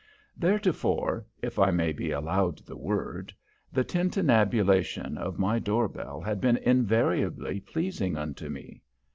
Theretofore if I may be allowed the word the tintinnabulation of my door bell had been invariably pleasing unto me.